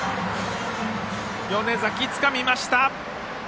米崎がつかみました。